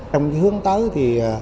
trong hướng tới